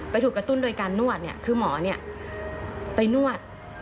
ถูกกระตุ้นโดยการนวดเนี่ยคือหมอไปนวด